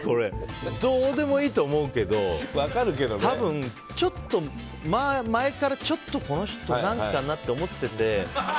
どうでもいいと思うけど多分、ちょっと前からこの人、何かなって思ってて。